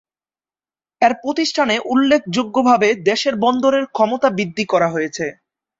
এর প্রতিষ্ঠানে উল্লেখযোগ্যভাবে দেশের বন্দরের ক্ষমতা বৃদ্ধি করা হয়েছে।